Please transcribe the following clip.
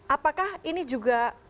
apakah ini juga